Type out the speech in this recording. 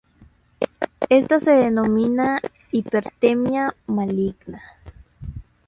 Esta se denomina "Hipertermia Maligna".